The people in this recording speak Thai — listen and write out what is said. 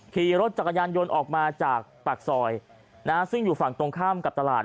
ขี่รถจักรยานยนต์ออกมาจากปากซอยซึ่งอยู่ฝั่งตรงข้ามกับตลาด